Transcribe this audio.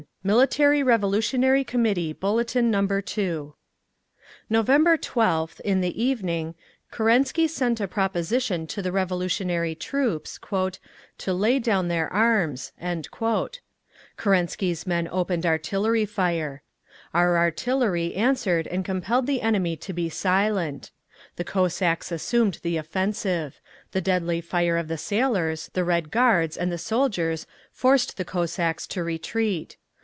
MILITARY REVOLUTIONARY COMMITTEE. BULLETIN NO. 2 November 12th, in the evening, Kerensky sent a proposition to the revolutionary troops—"to lay down their arms." Kerensky's men opened artillery fire. Our artillery answered and compelled the enemy to be silent. The Cossacks assumed the offensive. The deadly fire of the sailors, the Red Guards and the soldiers forced the Cossacks to retreat.